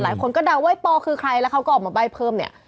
หลายคนก็เดาว่าปอคือใครแล้วเขาก็ออกมาใบ้เพิ่มเนี่ย